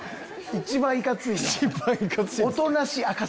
一番いかつい。